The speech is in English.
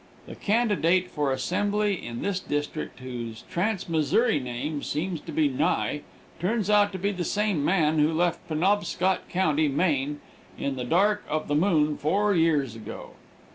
"The candidate for assembly in this district, whose trans Missouri name seems to be Nye, turns out to be the same man who left Penobscot county, Maine, in the dark of the moon four years ago.